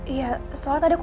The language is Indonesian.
iya soalnya tadi aku gak tau